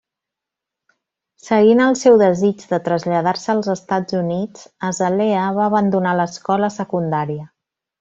Seguint el seu desig de traslladar-se als Estats Units, Azalea va abandonar l'escola secundària.